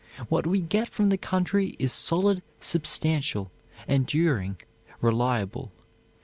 What we get from the country is solid, substantial, enduring, reliable.